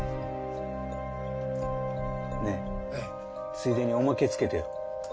ついでにおまけつけてよ。